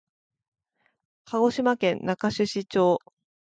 鹿児島県中種子町